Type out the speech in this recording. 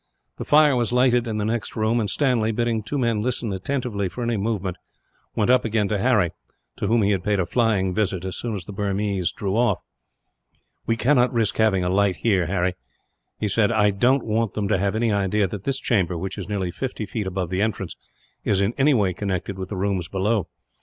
The fire was lighted in the next room; and Stanley, bidding two men listen attentively for any movement, went up again to Harry to whom he had paid a flying visit, as soon as the Burmese drew off. "We cannot risk having a light here, Harry," he said. "I don't want them to have any idea that this chamber, which is nearly fifty feet above the entrance, is in any way connected with the rooms below.